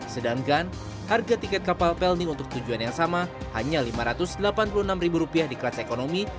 sedangkan harga tiket kapal pelni untuk tujuan yang sama hanya rp lima ratus delapan puluh enam di kelas ekonomi